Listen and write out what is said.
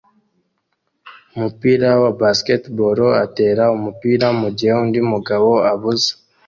umupira wa basketball atera umupira mugihe undi mugabo abuza